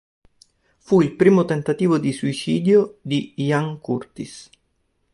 Fu il primo tentativo di suicidio di Ian Curtis.